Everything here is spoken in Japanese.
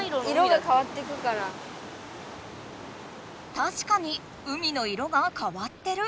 たしかに海の色がかわってる！